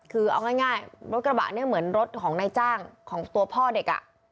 คือเอาง่ายรถกระบะเนี่ยเหมือนรถของนายจ้างของตัวพ่อเด็ก